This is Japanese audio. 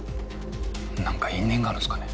何か因縁があるんですかね？